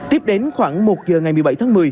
tiếp đến khoảng một giờ ngày một mươi bảy tháng một mươi